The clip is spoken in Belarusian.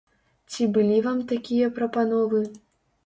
Ці былі вам такія прапановы?